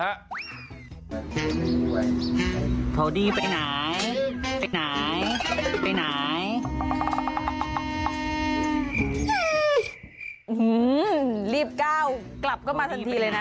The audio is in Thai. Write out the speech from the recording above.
รีบก้าวกลับเข้ามาทันทีเลยนะ